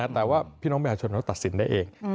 แต่ว่าพี่น้องประชาชนเขาตัดสินได้เอง